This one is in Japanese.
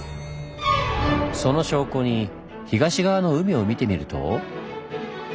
その証拠に東側の海を見てみると。